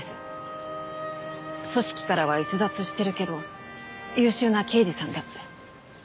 「組織からは逸脱してるけど優秀な刑事さんだ」って。